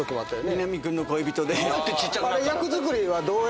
『南くんの恋人』で。